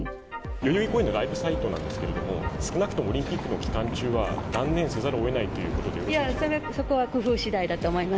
代々木公園のライブサイトなんですけれども、少なくともオリンピックの期間中は、断念せざるをえないということでよろしいでそこは工夫しだいだと思いま